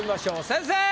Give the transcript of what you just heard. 先生！